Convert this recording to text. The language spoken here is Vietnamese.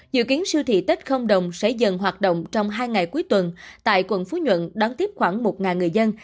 dự kiến siêu thị tết không đồng sẽ dần hoạt động trong hai ngày cuối tuần tại quận phú nhuận đón tiếp khoảng một người dân